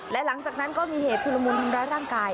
และหลังจากนั้นก็มีเหตุชุลมุนทำร้ายร่างกาย